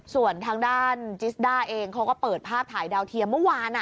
ส่วนทางด้านจิสด้าเองเขาก็เปิดภาพถ่ายดาวเทียมเมื่อวาน